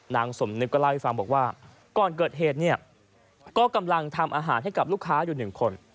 นางสมนึกก็เล่าให้ฟังบอกว่าก่อนเกิดเหตุเนี่ยก็กำลังทำอาหารให้กับลูกค้าอยู่หนึ่งคน